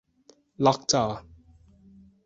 ล็อกจอ